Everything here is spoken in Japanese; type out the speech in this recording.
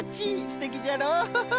すてきじゃろ？